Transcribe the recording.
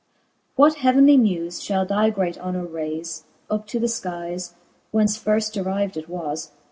What heavenly mufe (hall thy great honour rayle Up to the Ikies, whence firft deriv'd it was.